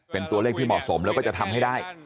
เป็นตัวเลขที่เหมาะสมแล้วก็จะทำให้ได้